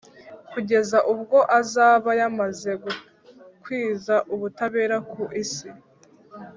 kugeza ubwo azaba yamaze gukwiza ubutabera ku isi,